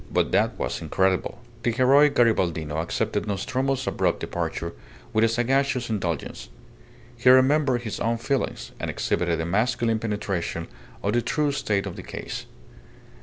But that was incredible. The heroic Garibaldino accepted Nostromo's abrupt departure with a sagacious indulgence. He remembered his own feelings, and exhibited a masculine penetration of the true state of the case.